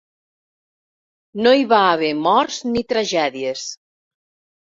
No hi va haver morts ni tragèdies.